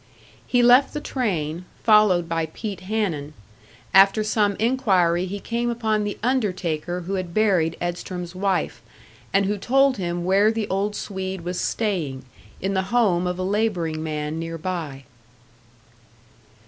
He left the train, followed by Pete Hanun; after some inquiry, he came upon the undertaker who had buried Edstrom's wife, and who told him where the old Swede was staying, in the home of a labouring man nearby.